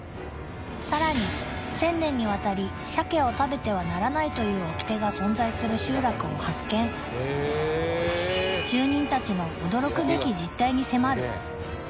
さらに千年にわたり鮭を食べてはならないという掟が存在する集落を発見住人たちの驚くべき実態に迫る